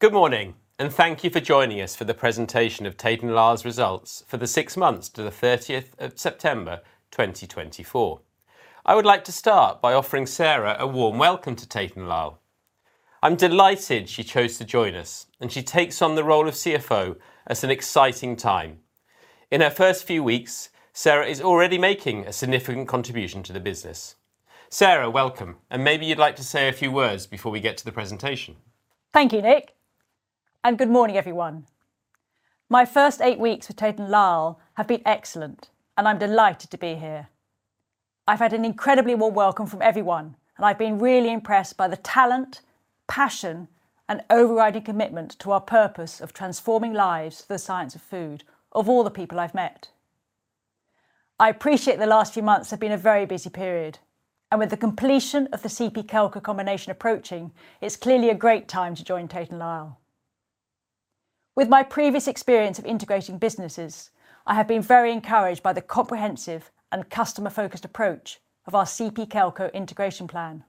Good morning, and thank you for joining us for the presentation of Tate & Lyle's results for the six months to the 30th of September 2024. I would like to start by offering Sarah a warm welcome to Tate & Lyle. I'm delighted she chose to join us, and she takes on the role of CFO at an exciting time. In her first few weeks, Sarah is already making a significant contribution to the business. Sarah, welcome, and maybe you'd like to say a few words before we get to the presentation. Thank you, Nick, and good morning, everyone. My first eight weeks with Tate & Lyle have been excellent, and I'm delighted to be here. I've had an incredibly warm welcome from everyone, and I've been really impressed by the talent, passion, and overriding commitment to our purpose of transforming lives through the science of food of all the people I've met. I appreciate the last few months have been a very busy period, and with the completion of the CP Kelco combination approaching, it's clearly a great time to join Tate & Lyle. With my previous experience of integrating businesses, I have been very encouraged by the comprehensive and customer-focused approach of our CP Kelco integration plan.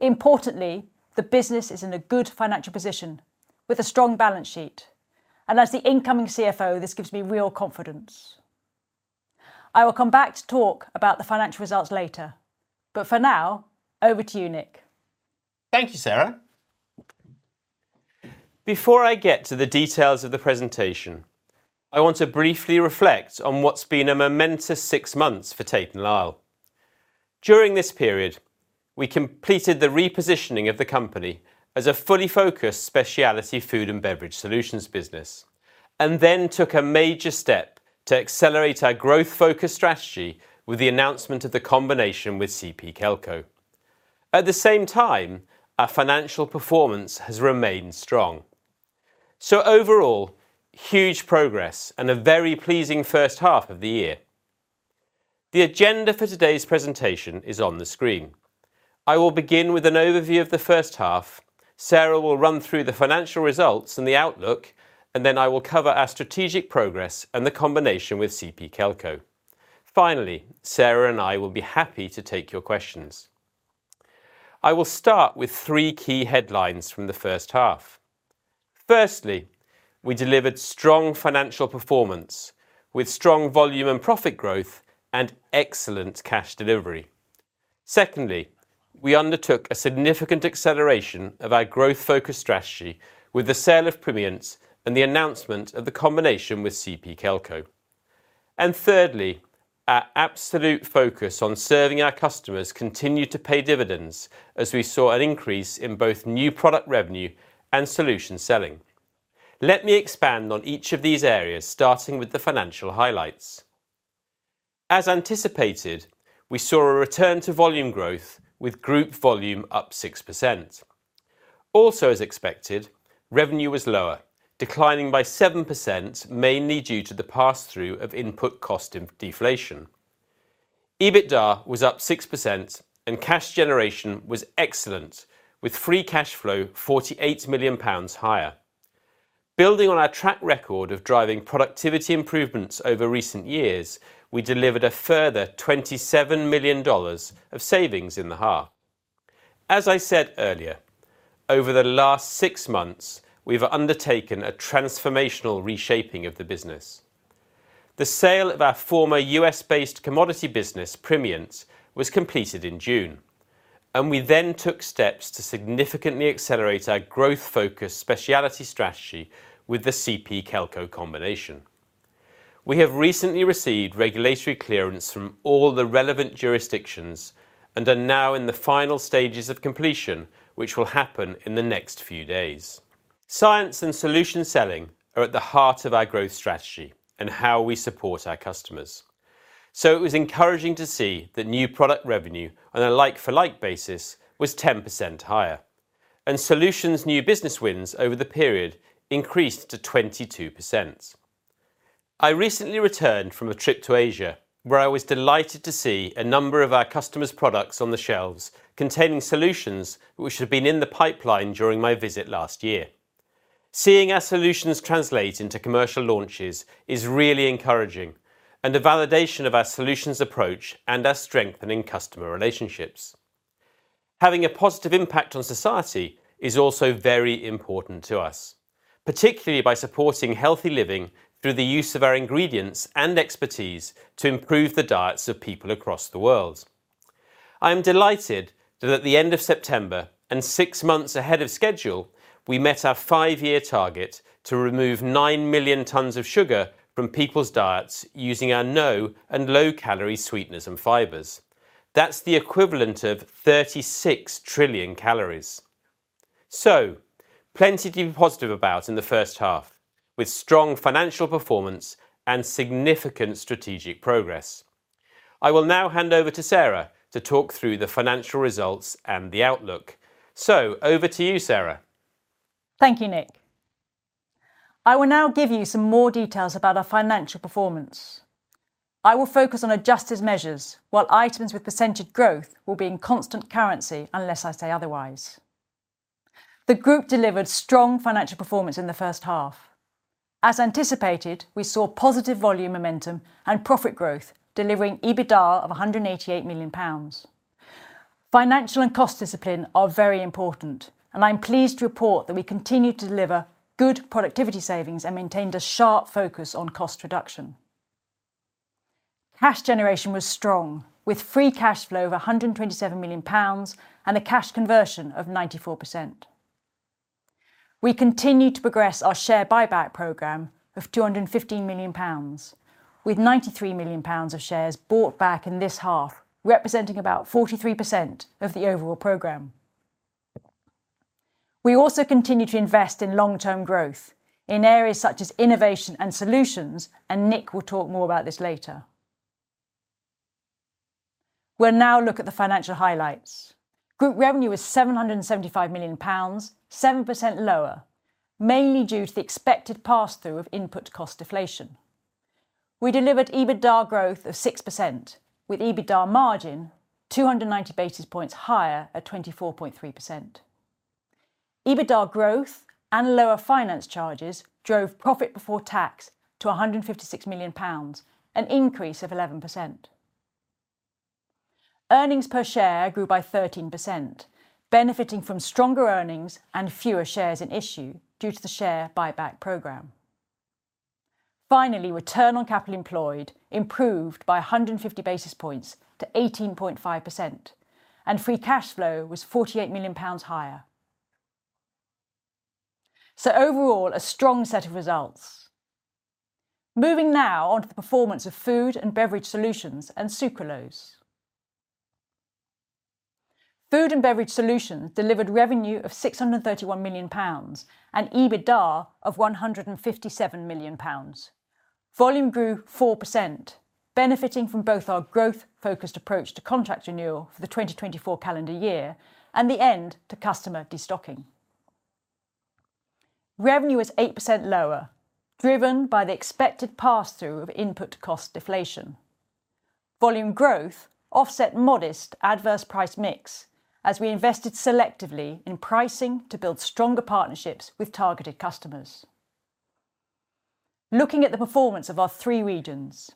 Importantly, the business is in a good financial position with a strong balance sheet, and as the incoming CFO, this gives me real confidence. I will come back to talk about the financial results later, but for now, over to you, Nick. Thank you, Sarah. Before I get to the details of the presentation, I want to briefly reflect on what's been a momentous six months for Tate & Lyle. During this period, we completed the repositioning of the company as a fully focused specialty food and beverage solutions business, and then took a major step to accelerate our growth-focused strategy with the announcement of the combination with CP Kelco. At the same time, our financial performance has remained strong. So overall, huge progress and a very pleasing first half of the year. The agenda for today's presentation is on the screen. I will begin with an overview of the first half. Sarah will run through the financial results and the outlook, and then I will cover our strategic progress and the combination with CP Kelco. Finally, Sarah and I will be happy to take your questions. I will start with three key headlines from the first half. Firstly, we delivered strong financial performance with strong volume and profit growth and excellent cash delivery. Secondly, we undertook a significant acceleration of our growth-focused strategy with the sale of Primient and the announcement of the combination with CP Kelco, and thirdly, our absolute focus on serving our customers continued to pay dividends as we saw an increase in both new product revenue and solution selling. Let me expand on each of these areas, starting with the financial highlights. As anticipated, we saw a return to volume growth with group volume up 6%. Also, as expected, revenue was lower, declining by 7%, mainly due to the pass-through of input cost deflation. EBITDA was up 6%, and cash generation was excellent, with free cash flow 48 million pounds higher. Building on our track record of driving productivity improvements over recent years, we delivered a further $27 million of savings in the H1. As I said earlier, over the last six months, we've undertaken a transformational reshaping of the business. The sale of our former U.S.-based commodity business, Primient, was completed in June, and we then took steps to significantly accelerate our growth-focused specialty strategy with the CP Kelco combination. We have recently received regulatory clearance from all the relevant jurisdictions and are now in the final stages of completion, which will happen in the next few days. Science and solution selling are at the heart of our growth strategy and how we support our customers. So it was encouraging to see that new product revenue on a like-for-like basis was 10% higher, and solutions' new business wins over the period increased to 22%. I recently returned from a trip to Asia, where I was delighted to see a number of our customers' products on the shelves containing solutions which had been in the pipeline during my visit last year. Seeing our solutions translate into commercial launches is really encouraging and a validation of our solutions approach and our strengthening customer relationships. Having a positive impact on society is also very important to us, particularly by supporting healthy living through the use of our ingredients and expertise to improve the diets of people across the world. I am delighted that at the end of September, and six months ahead of schedule, we met our five-year target to remove 9 million tons of sugar from people's diets using our no and low-calorie sweeteners and fibers. That's the equivalent of 36 trillion calories. So plenty to be positive about in the first half, with strong financial performance and significant strategic progress. I will now hand over to Sarah to talk through the financial results and the outlook. So over to you, Sarah. Thank you, Nick. I will now give you some more details about our financial performance. I will focus on adjusted measures while items with percentage growth will be in constant currency unless I say otherwise. The group delivered strong financial performance in the first half. As anticipated, we saw positive volume momentum and profit growth, delivering EBITDA of 188 million pounds. Financial and cost discipline are very important, and I'm pleased to report that we continue to deliver good productivity savings and maintained a sharp focus on cost reduction. Cash generation was strong, with free cash flow of 127 million pounds and a cash conversion of 94%. We continue to progress our share buyback program of 215 million pounds, with 93 million pounds of shares bought back in this half, representing about 43% of the overall program. We also continue to invest in long-term growth in areas such as innovation and solutions, and Nick will talk more about this later. We'll now look at the financial highlights. Group revenue was 775 million pounds, 7% lower, mainly due to the expected pass-through of input cost deflation. We delivered EBITDA growth of 6%, with EBITDA margin 290 basis points higher at 24.3%. EBITDA growth and lower finance charges drove profit before tax to 156 million pounds, an increase of 11%. Earnings per share grew by 13%, benefiting from stronger earnings and fewer shares in issue due to the share buyback program. Finally, return on capital employed improved by 150 basis points to 18.5%, and free cash flow was 48 million pounds higher. So overall, a strong set of results. Moving now on to the performance of food and beverage solutions and sucralose. Food and beverage solutions delivered revenue of 631 million pounds and EBITDA of 157 million pounds. Volume grew 4%, benefiting from both our growth-focused approach to contract renewal for the 2024 calendar year and the end to customer destocking. Revenue was 8% lower, driven by the expected pass-through of input cost deflation. Volume growth offset modest adverse price mix as we invested selectively in pricing to build stronger partnerships with targeted customers. Looking at the performance of our three regions.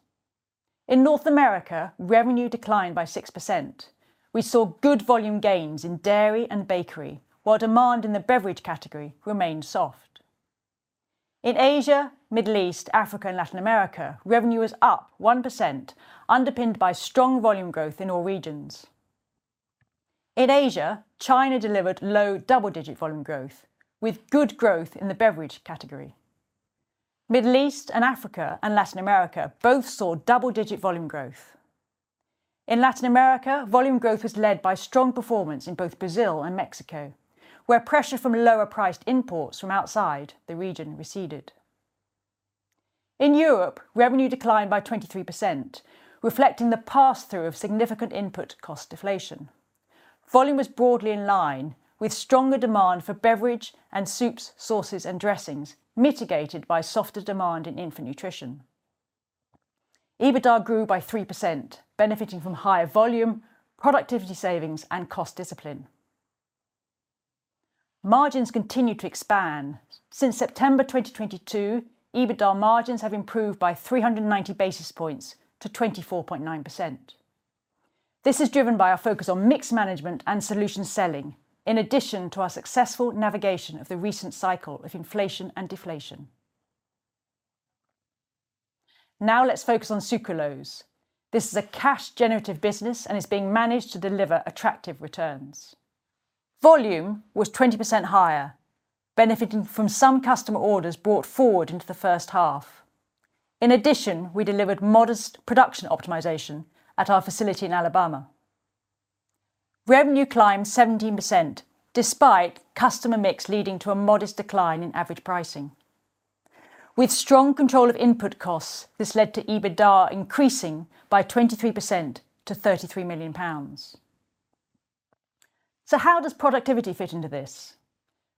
In North America, revenue declined by 6%. We saw good volume gains in dairy and bakery, while demand in the beverage category remained soft. In Asia, Middle East, Africa, and Latin America, revenue was up 1%, underpinned by strong volume growth in all regions. In Asia, China delivered low double-digit volume growth, with good growth in the beverage category. Middle East and Africa and Latin America both saw double-digit volume growth. In Latin America, volume growth was led by strong performance in both Brazil and Mexico, where pressure from lower-priced imports from outside the region receded. In Europe, revenue declined by 23%, reflecting the pass-through of significant input cost deflation. Volume was broadly in line, with stronger demand for beverage and soups, sauces, and dressings mitigated by softer demand in infant nutrition. EBITDA grew by 3%, benefiting from higher volume, productivity savings, and cost discipline. Margins continued to expand. Since September 2022, EBITDA margins have improved by 390 basis points to 24.9%. This is driven by our focus on mix management and solution selling, in addition to our successful navigation of the recent cycle of inflation and deflation. Now let's focus on sucralose. This is a cash-generative business and is being managed to deliver attractive returns. Volume was 20% higher, benefiting from some customer orders brought forward into the first half. In addition, we delivered modest production optimization at our facility in Alabama. Revenue climbed 17% despite customer mix leading to a modest decline in average pricing. With strong control of input costs, this led to EBITDA increasing by 23% to 33 million pounds. So how does productivity fit into this?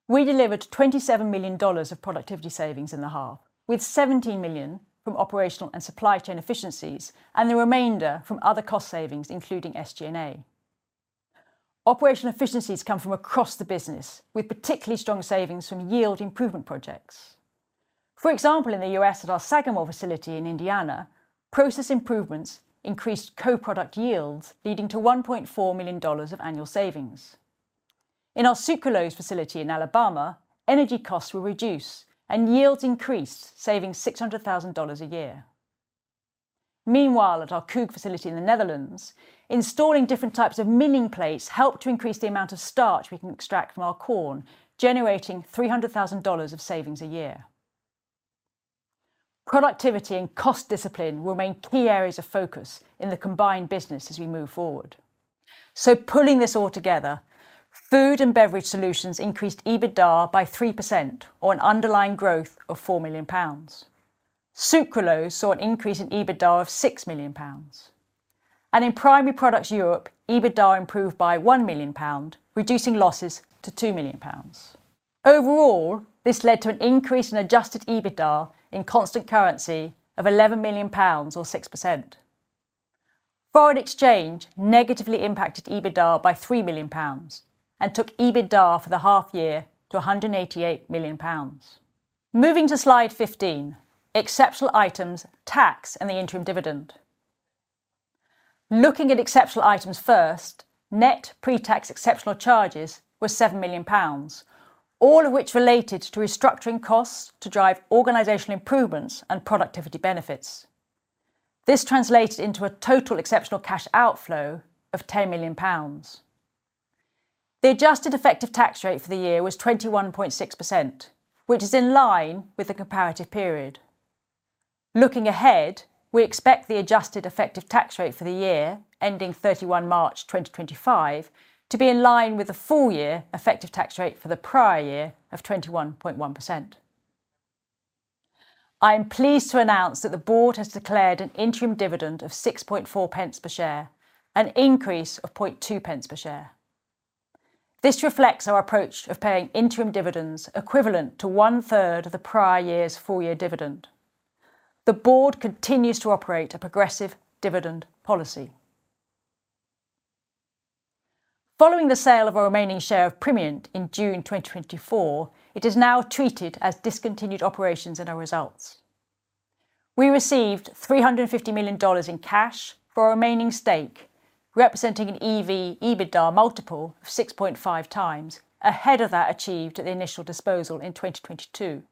We delivered $27 million of productivity savings in the H1, with $17 million from operational and supply chain efficiencies and the remainder from other cost savings, including SG&A. Operational efficiencies come from across the business, with particularly strong savings from yield improvement projects. For example, in the U.S., at our Sagamore facility in Indiana, process improvements increased co-product yields, leading to $1.4 million of annual savings. In our sucralose facility in Alabama, energy costs were reduced and yields increased, saving $600,000 a year. Meanwhile, at our Koog facility in the Netherlands, installing different types of milling plates helped to increase the amount of starch we can extract from our corn, generating $300,000 of savings a year. Productivity and cost discipline remain key areas of focus in the combined business as we move forward, so pulling this all together, food and beverage solutions increased EBITDA by 3%, or an underlying growth of 4 million pounds. Sucralose saw an increase in EBITDA of 6 million pounds, and in Primary Products Europe, EBITDA improved by 1 million pound, reducing losses to 2 million pounds. Overall, this led to an increase in adjusted EBITDA in constant currency of 11 million pounds, or 6%. Foreign exchange negatively impacted EBITDA by 3 million pounds and took EBITDA for the half year to 188 million pounds. Moving to slide 15, exceptional items, tax, and the interim dividend. Looking at exceptional items first, net pre-tax exceptional charges were 7 million pounds, all of which related to restructuring costs to drive organizational improvements and productivity benefits. This translated into a total exceptional cash outflow of 10 million pounds. The adjusted effective tax rate for the year was 21.6%, which is in line with the comparative period. Looking ahead, we expect the adjusted effective tax rate for the year ending 31 March 2025 to be in line with the full year effective tax rate for the prior year of 21.1%. I am pleased to announce that the board has declared an interim dividend of 0.064 per share, an increase of 0.002 per share. This reflects our approach of paying interim dividends equivalent to one-third of the prior year's full year dividend. The board continues to operate a progressive dividend policy. Following the sale of our remaining share of Primient in June 2024, it is now treated as discontinued operations in our results. We received $350 million in cash for our remaining stake, representing an EV/EBITDA multiple of 6.5x ahead of that achieved at the initial disposal in 2022.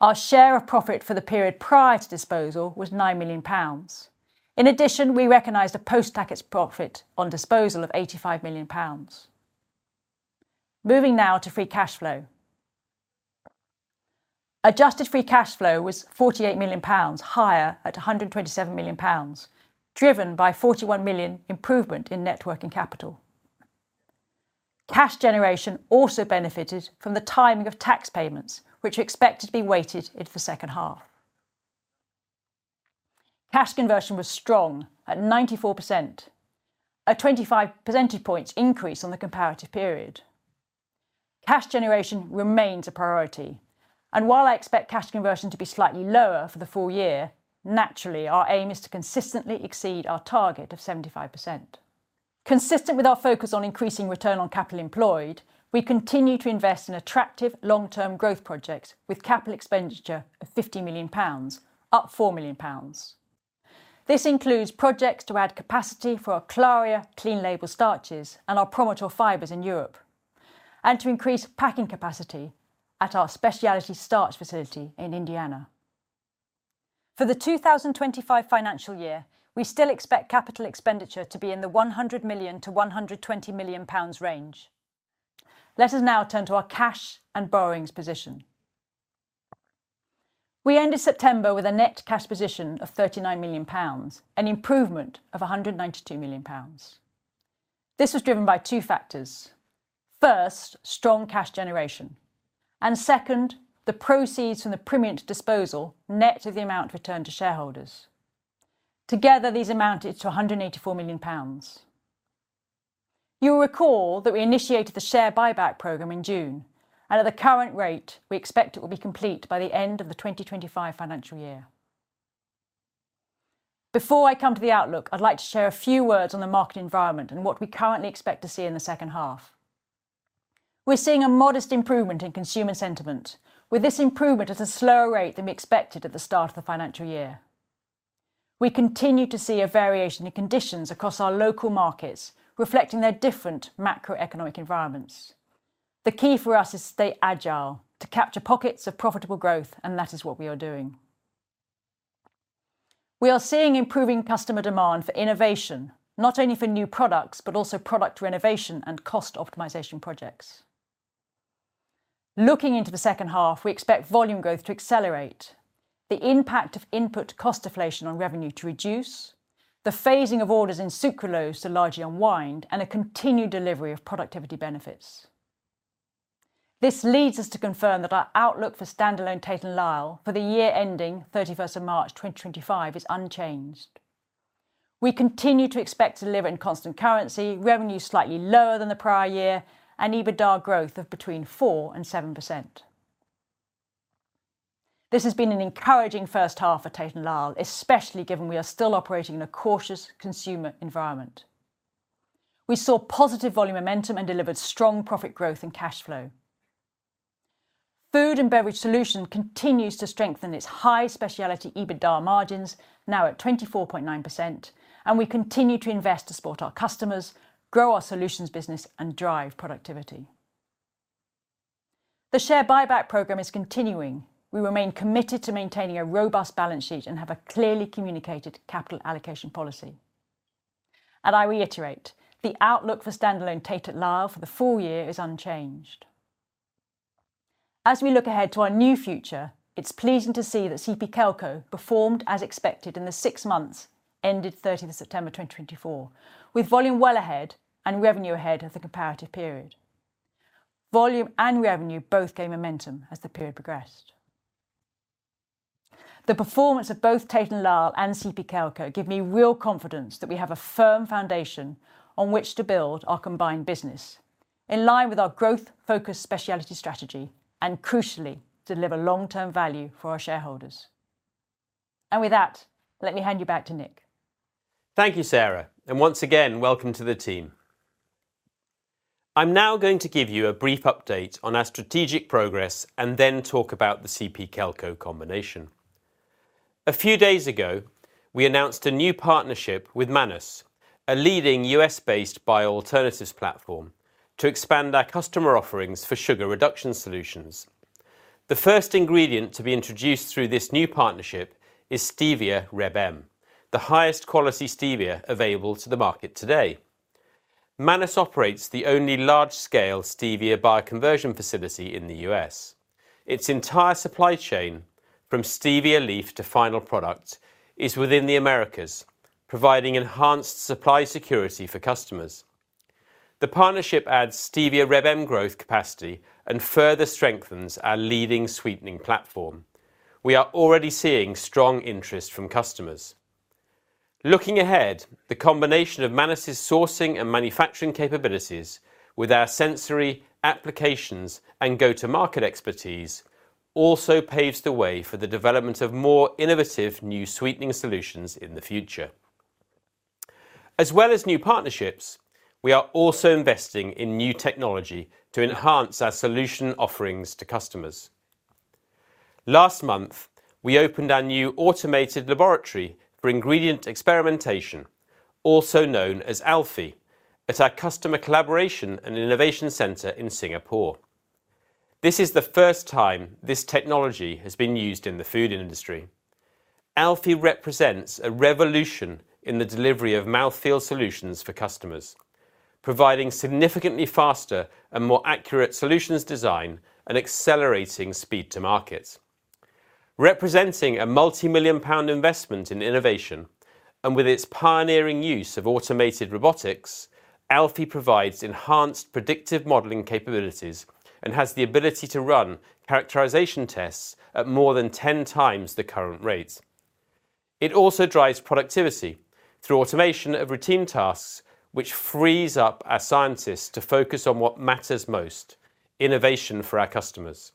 Our share of profit for the period prior to disposal was 9 million pounds. In addition, we recognized a post-tax profit on disposal of 85 million pounds. Moving now to free cash flow. Adjusted free cash flow was 48 million pounds higher at 127 million pounds, driven by 41 million improvement in net working capital. Cash generation also benefited from the timing of tax payments, which are expected to be weighted in the second half. Cash conversion was strong at 94%, a 25 percentage points increase on the comparative period. Cash generation remains a priority, and while I expect cash conversion to be slightly lower for the full year, naturally, our aim is to consistently exceed our target of 75%. Consistent with our focus on increasing return on capital employed, we continue to invest in attractive long-term growth projects with capital expenditure of 50 million pounds, up 4 million pounds. This includes projects to add capacity for our CLARIA clean label starches and our PROMITOR fibers in Europe, and to increase packing capacity at our specialty starch facility in Indiana. For the 2025 financial year, we still expect capital expenditure to be in the 100 million-120 million pounds range. Let us now turn to our cash and borrowings position. We ended September with a net cash position of 39 million pounds, an improvement of 192 million pounds. This was driven by two factors. First, strong cash generation, and second, the proceeds from the Primient disposal net to the amount returned to shareholders. Together, these amounted to 184 million pounds. You'll recall that we initiated the share buyback program in June, and at the current rate, we expect it will be complete by the end of the 2025 financial year. Before I come to the outlook, I'd like to share a few words on the market environment and what we currently expect to see in the second half. We're seeing a modest improvement in consumer sentiment, with this improvement at a slower rate than we expected at the start of the financial year. We continue to see a variation in conditions across our local markets, reflecting their different macroeconomic environments. The key for us is to stay agile, to capture pockets of profitable growth, and that is what we are doing. We are seeing improving customer demand for innovation, not only for new products, but also product renovation and cost optimization projects. Looking into the second half, we expect volume growth to accelerate, the impact of input cost deflation on revenue to reduce, the phasing of orders in sucralose to largely unwind, and a continued delivery of productivity benefits. This leads us to confirm that our outlook for standalone Tate & Lyle for the year ending 31 March 2025 is unchanged. We continue to expect to deliver in constant currency, revenues slightly lower than the prior year, and EBITDA growth of between 4% and 7%. This has been an encouraging first half for Tate & Lyle, especially given we are still operating in a cautious consumer environment. We saw positive volume momentum and delivered strong profit growth in cash flow. Food and beverage solutions continue to strengthen its high specialty EBITDA margins, now at 24.9%, and we continue to invest to support our customers, grow our solutions business, and drive productivity. The share buyback program is continuing. We remain committed to maintaining a robust balance sheet and have a clearly communicated capital allocation policy, and I reiterate, the outlook for standalone Tate & Lyle for the full year is unchanged. As we look ahead to our new future, it's pleasing to see that CP Kelco performed as expected in the six months ended 30th September 2024, with volume well ahead and revenue ahead of the comparative period. Volume and revenue both gained momentum as the period progressed. The performance of both Tate & Lyle and CP Kelco gives me real confidence that we have a firm foundation on which to build our combined business, in line with our growth-focused specialty strategy, and crucially, deliver long-term value for our shareholders, and with that, let me hand you back to Nick. Thank you, Sarah, and once again, welcome to the team. I'm now going to give you a brief update on our strategic progress and then talk about the CP Kelco combination. A few days ago, we announced a new partnership with Manus, a leading U.S.-based bioalternatives platform, to expand our customer offerings for sugar reduction solutions. The first ingredient to be introduced through this new partnership is Stevia Reb M, the highest quality Stevia available to the market today. Manus operates the only large-scale Stevia bioconversion facility in the U.S. Its entire supply chain, from Stevia leaf to final product, is within the Americas, providing enhanced supply security for customers. The partnership adds Stevia Reb M growth capacity and further strengthens our leading sweetening platform. We are already seeing strong interest from customers. Looking ahead, the combination of Manus' sourcing and manufacturing capabilities, with our sensory applications and go-to-market expertise, also paves the way for the development of more innovative new sweetening solutions in the future. As well as new partnerships, we are also investing in new technology to enhance our solution offerings to customers. Last month, we opened our new automated laboratory for ingredient experimentation, also known as ALFI, at our customer collaboration and innovation center in Singapore. This is the first time this technology has been used in the food industry. ALFI represents a revolution in the delivery of mouthfeel solutions for customers, providing significantly faster and more accurate solutions design and accelerating speed to market. Representing a multi-million pound investment in innovation, and with its pioneering use of automated robotics, ALFI provides enhanced predictive modeling capabilities and has the ability to run characterization tests at more than 10x the current rate. It also drives productivity through automation of routine tasks, which frees up our scientists to focus on what matters most: innovation for our customers.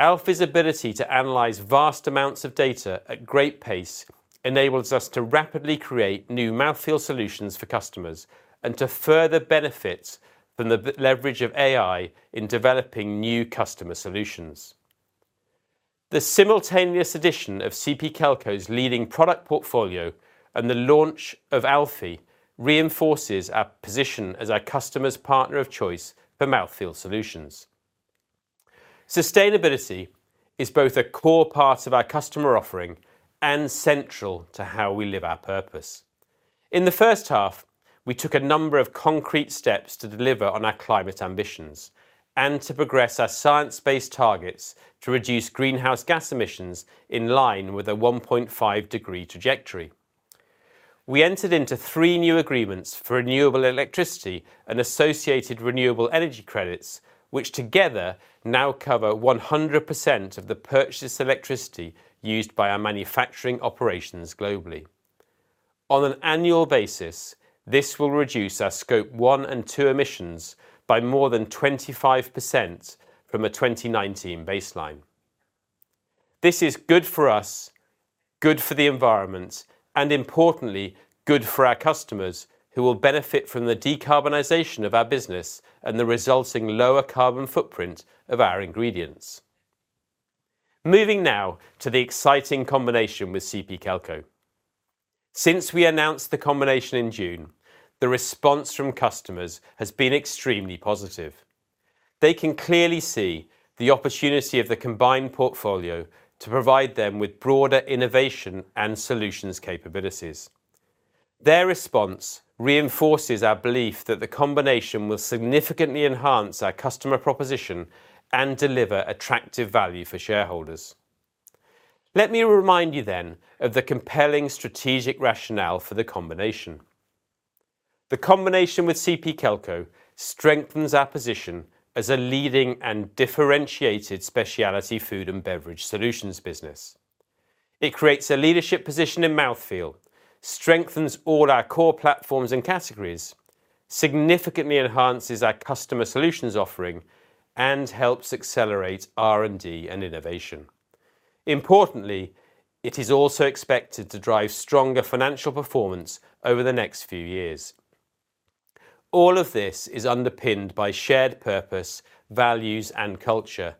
ALFI's ability to analyze vast amounts of data at great pace enables us to rapidly create new mouthfeel solutions for customers and to further benefit from the leverage of AI in developing new customer solutions. The simultaneous addition of CP Kelco's leading product portfolio and the launch of ALFI reinforces our position as our customer's partner of choice for mouthfeel solutions. Sustainability is both a core part of our customer offering and central to how we live our purpose. In the first half, we took a number of concrete steps to deliver on our climate ambitions and to progress our science-based targets to reduce greenhouse gas emissions in line with a 1.5-degree trajectory. We entered into three new agreements for renewable electricity and associated renewable energy credits, which together now cover 100% of the purchased electricity used by our manufacturing operations globally. On an annual basis, this will reduce our Scope 1 and 2 emissions by more than 25% from a 2019 baseline. This is good for us, good for the environment, and importantly, good for our customers who will benefit from the decarbonization of our business and the resulting lower carbon footprint of our ingredients. Moving now to the exciting combination with CP Kelco. Since we announced the combination in June, the response from customers has been extremely positive. They can clearly see the opportunity of the combined portfolio to provide them with broader innovation and solutions capabilities. Their response reinforces our belief that the combination will significantly enhance our customer proposition and deliver attractive value for shareholders. Let me remind you then of the compelling strategic rationale for the combination. The combination with CP Kelco strengthens our position as a leading and differentiated specialty food and beverage solutions business. It creates a leadership position in mouthfeel, strengthens all our core platforms and categories, significantly enhances our customer solutions offering, and helps accelerate R&D and innovation. Importantly, it is also expected to drive stronger financial performance over the next few years. All of this is underpinned by shared purpose, values, and culture,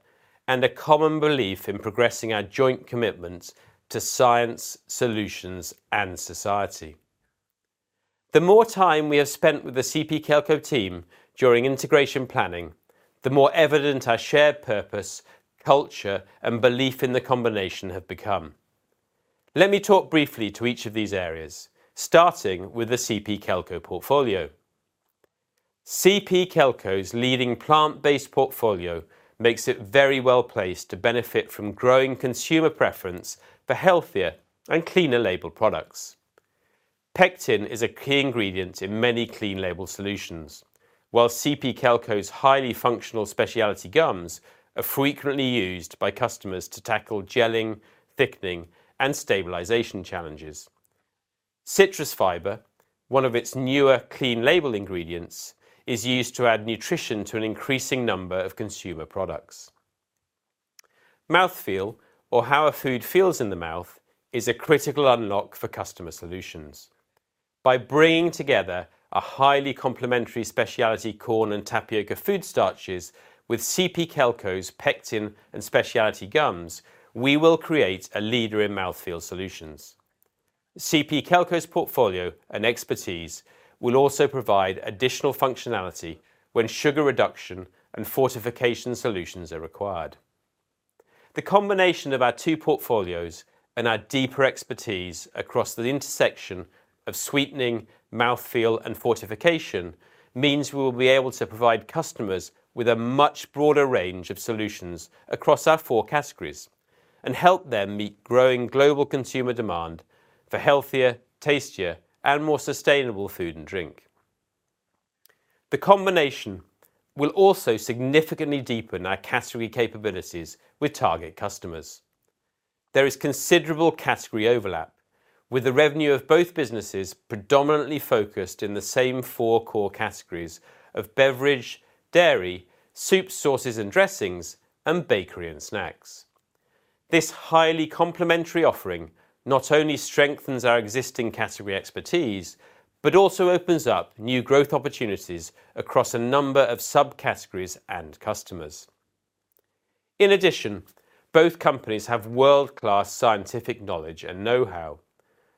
and a common belief in progressing our joint commitments to science, solutions, and society. The more time we have spent with the CP Kelco team during integration planning, the more evident our shared purpose, culture, and belief in the combination have become. Let me talk briefly to each of these areas, starting with the CP Kelco portfolio. CP Kelco's leading plant-based portfolio makes it very well placed to benefit from growing consumer preference for healthier and clean label products. Pectin is a key ingredient in many clean label solutions, while CP Kelco's highly functional specialty gums are frequently used by customers to tackle gelling, thickening, and stabilization challenges. Citrus fiber, one of its newer clean label ingredients, is used to add nutrition to an increasing number of consumer products. Mouthfeel, or how a food feels in the mouth, is a critical unlock for customer solutions. By bringing together a highly complementary specialty corn and tapioca food starches with CP Kelco's pectin and specialty gums, we will create a leader in mouthfeel solutions. CP Kelco's portfolio and expertise will also provide additional functionality when sugar reduction and fortification solutions are required. The combination of our two portfolios and our deeper expertise across the intersection of sweetening, mouthfeel, and fortification means we will be able to provide customers with a much broader range of solutions across our four categories and help them meet growing global consumer demand for healthier, tastier, and more sustainable food and drink. The combination will also significantly deepen our category capabilities with target customers. There is considerable category overlap, with the revenue of both businesses predominantly focused in the same four core categories of beverage, dairy, soups, sauces and dressings, and bakery and snacks. This highly complementary offering not only strengthens our existing category expertise, but also opens up new growth opportunities across a number of subcategories and customers. In addition, both companies have world-class scientific knowledge and know-how.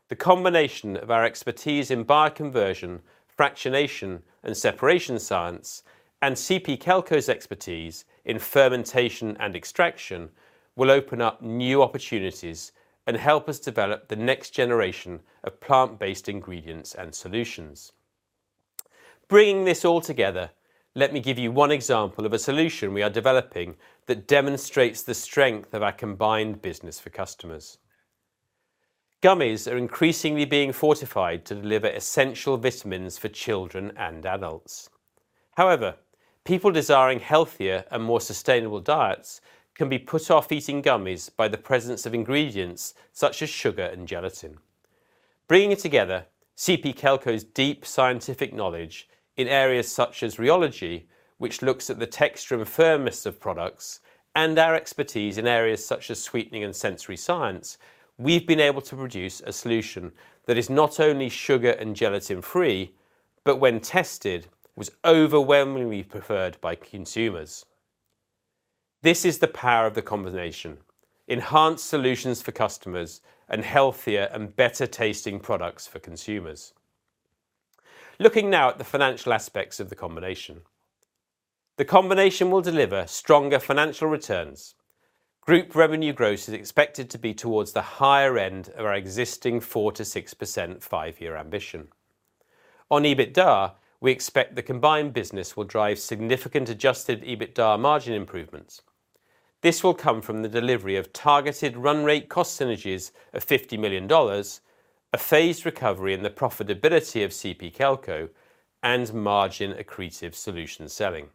The combination of our expertise in bioconversion, fractionation, and separation science, and CP Kelco's expertise in fermentation and extraction will open up new opportunities and help us develop the next generation of plant-based ingredients and solutions. Bringing this all together, let me give you one example of a solution we are developing that demonstrates the strength of our combined business for customers. Gummies are increasingly being fortified to deliver essential vitamins for children and adults. However, people desiring healthier and more sustainable diets can be put off eating gummies by the presence of ingredients such as sugar and gelatin. Bringing it together, CP Kelco's deep scientific knowledge in areas such as rheology, which looks at the texture and firmness of products, and our expertise in areas such as sweetening and sensory science, we've been able to produce a solution that is not only sugar and gelatin-free, but when tested, was overwhelmingly preferred by consumers. This is the power of the combination: enhanced solutions for customers and healthier and better-tasting products for consumers. Looking now at the financial aspects of the combination, the combination will deliver stronger financial returns. Group revenue growth is expected to be towards the higher end of our existing 4%-6% five-year ambition. On EBITDA, we expect the combined business will drive significant adjusted EBITDA margin improvements. This will come from the delivery of targeted run-rate cost synergies of $50 million, a phased recovery in the profitability of CP Kelco, and margin-accretive solution selling.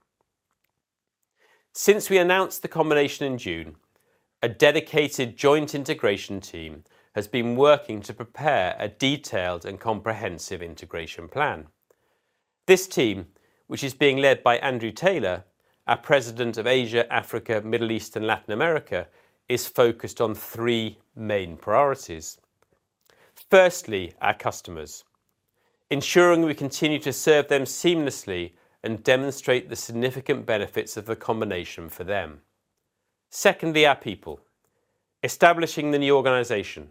Since we announced the combination in June, a dedicated joint integration team has been working to prepare a detailed and comprehensive integration plan. This team, which is being led by Andrew Taylor, our President of Asia, Africa, Middle East, and Latin America, is focused on three main priorities. Firstly, our customers, ensuring we continue to serve them seamlessly and demonstrate the significant benefits of the combination for them. Secondly, our people, establishing the new organization,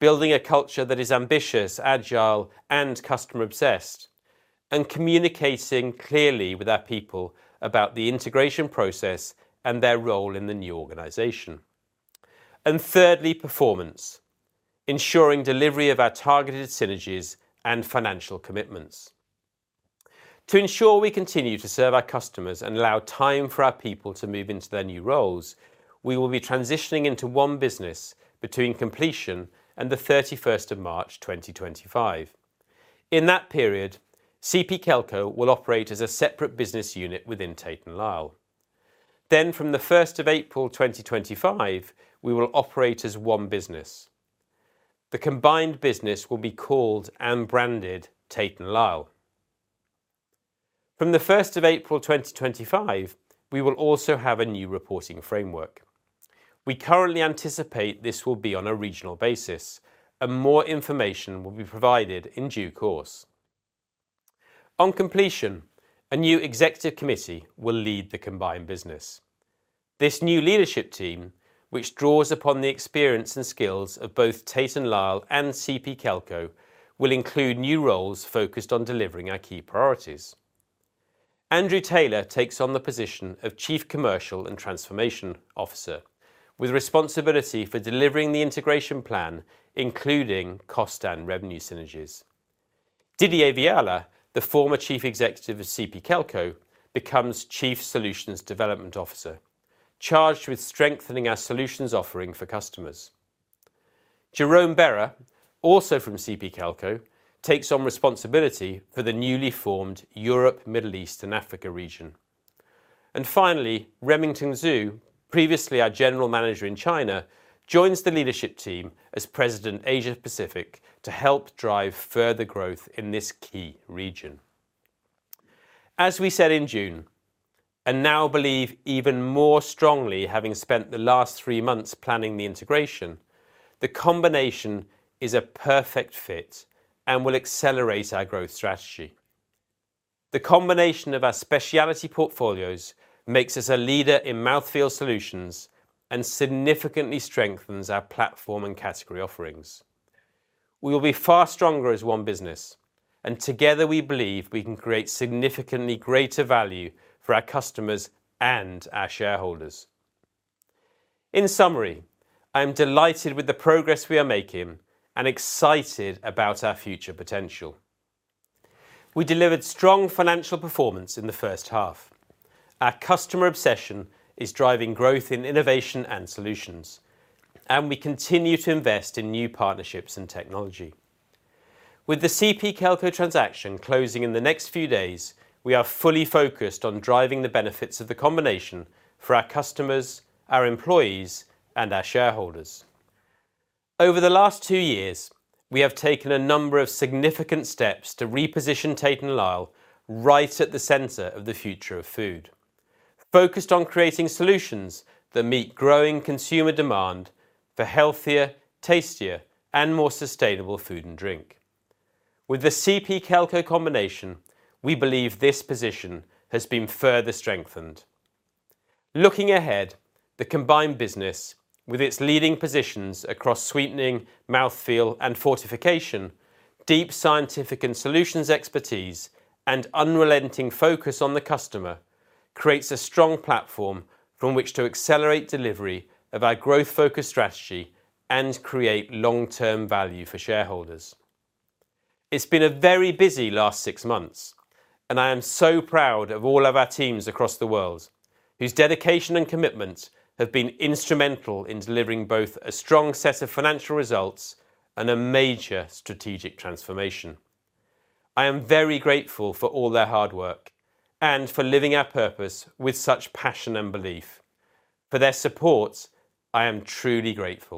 building a culture that is ambitious, agile, and customer-obsessed, and communicating clearly with our people about the integration process and their role in the new organization. And thirdly, performance, ensuring delivery of our targeted synergies and financial commitments. To ensure we continue to serve our customers and allow time for our people to move into their new roles, we will be transitioning into one business between completion and the 31st of March 2025. In that period, CP Kelco will operate as a separate business unit within Tate & Lyle. Then, from the 1st of April 2025, we will operate as one business. The combined business will be called and branded Tate & Lyle. From the 1st of April 2025, we will also have a new reporting framework. We currently anticipate this will be on a regional basis, and more information will be provided in due course. On completion, a new executive committee will lead the combined business. This new leadership team, which draws upon the experience and skills of both Tate & Lyle and CP Kelco, will include new roles focused on delivering our key priorities. Andrew Taylor takes on the position of Chief Commercial and Transformation Officer, with responsibility for delivering the integration plan, including cost and revenue synergies. Didier Viala, the former Chief Executive of CP Kelco, becomes Chief Solutions Development Officer, charged with strengthening our solutions offering for customers. Jerome Bera, also from CP Kelco, takes on responsibility for the newly formed Europe, Middle East, and Africa region. And finally, Remington Zhu, previously our General Manager in China, joins the leadership team as President Asia-Pacific to help drive further growth in this key region. As we said in June, and now believe even more strongly having spent the last three months planning the integration, the combination is a perfect fit and will accelerate our growth strategy. The combination of our specialty portfolios makes us a leader in mouthfeel solutions and significantly strengthens our platform and category offerings. We will be far stronger as one business, and together we believe we can create significantly greater value for our customers and our shareholders. In summary, I am delighted with the progress we are making and excited about our future potential. We delivered strong financial performance in the first half. Our customer obsession is driving growth in innovation and solutions, and we continue to invest in new partnerships and technology. With the CP Kelco transaction closing in the next few days, we are fully focused on driving the benefits of the combination for our customers, our employees, and our shareholders. Over the last two years, we have taken a number of significant steps to reposition Tate & Lyle right at the center of the future of food, focused on creating solutions that meet growing consumer demand for healthier, tastier, and more sustainable food and drink. With the CP Kelco combination, we believe this position has been further strengthened. Looking ahead, the combined business, with its leading positions across sweetening, mouthfeel, and fortification, deep scientific and solutions expertise, and unrelenting focus on the customer, creates a strong platform from which to accelerate delivery of our growth-focused strategy and create long-term value for shareholders. It's been a very busy last six months, and I am so proud of all of our teams across the world whose dedication and commitment have been instrumental in delivering both a strong set of financial results and a major strategic transformation. I am very grateful for all their hard work and for living our purpose with such passion and belief. For their support, I am truly grateful.